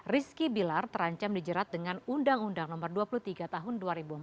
rizky bilar terancam dijerat dengan undang undang no dua puluh tiga tahun dua ribu empat belas